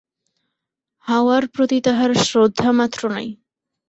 হাওয়ার প্রতি তাহার শ্রদ্ধামাত্র নাই।